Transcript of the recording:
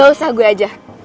gak usah gue aja